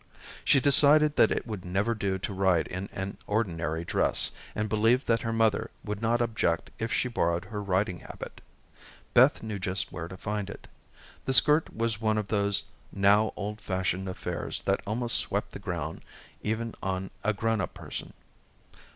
She decided that it would never do to ride in an ordinary dress, and believed that her mother would not object if she borrowed her riding habit. Beth knew just where to find it. The skirt was one of those now old fashioned affairs that almost swept the ground even on a grown up person.